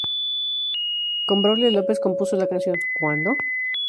Con Braulio López compuso la canción "¿Cuándo?